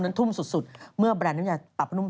ทุ่มสุดเมื่อแบรนด์น้ำยาปรับนุ่ม